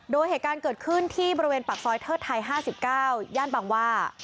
โดยเหตุการณ์เกิดขึ้นที่บริเวณปากซอยเทิดไทย๕๙ย่านบางว่า